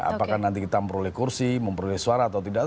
apakah nanti kita memperoleh kursi memperoleh suara atau tidak